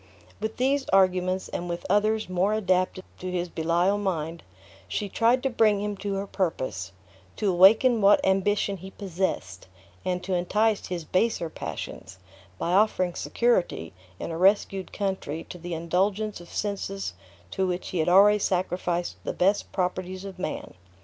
With these arguments, and with others more adapted to his Belial mind, she tried to bring him to her purpose; to awaken what ambition he possessed; and to entice his baser passions, by offering security in a rescued country to the indulgence of senses to which he had already sacrificed the best properties of man.